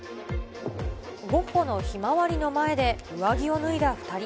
ゴッホのひまわりの前で上着を脱いだ２人。